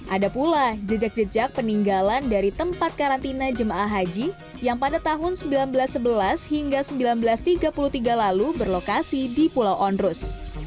ada pula jejak jejak peninggalan dari tempat karantina jemaah haji yang pada tahun seribu sembilan ratus sebelas hingga seribu sembilan ratus tiga puluh tiga lalu berlokasi di pulau ondrus